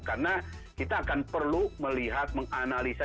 karena kita akan perlu melihat menganalisa